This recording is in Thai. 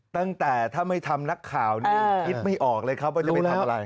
ตั้งแต่ถ้าไม่ทำนักข่าวนี่คิดไม่ออกเลยครับว่าจะไม่ทำอะไร